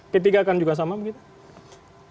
p tiga kan juga sama begitu